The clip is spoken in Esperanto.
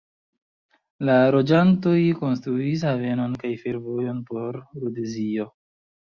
La loĝantoj konstruis havenon kaj fervojon por Rodezio.